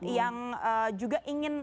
yang juga ingin